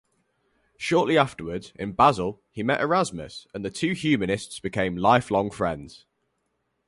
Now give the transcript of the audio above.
Shortly afterwards, in Basle, he met Erasmus and the two humanists became lifelong friends.